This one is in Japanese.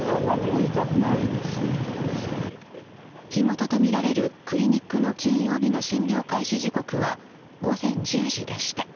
火元とみられるクリニックの金曜日の診療開始時刻は午前１０時でした。